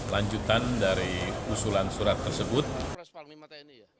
lanjutan dari usulan surat tersebut